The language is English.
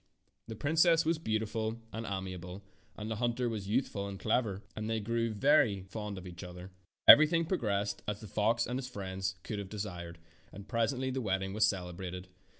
The princess was beautiful and amiable, and the hunter was youthful and clever, and they soon grew very fond of each other. Everything progressed as well as the fox and his friends could have desired, and presently the wedding was celebrated.